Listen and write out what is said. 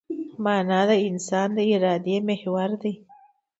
مانا د انسان د ارادې محور دی.